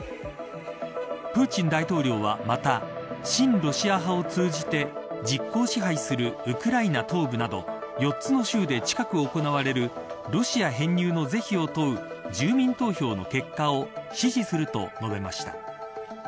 プーチン大統領は、また親ロシア派を通じて実効支配するウクライナ東部など４つの州で近く行われるロシア編入のぜひを問う住民投票の結果を支持すると述べました。